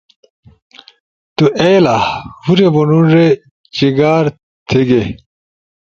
تُو ایلا؟ ہور منُوڙے چیگار تھے گے